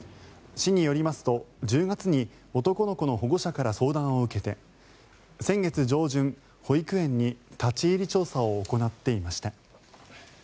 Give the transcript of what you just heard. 市によりますと、１０月に男の子の保護者から相談を受けて先月上旬、保育園に立ち入り調査を行っていました。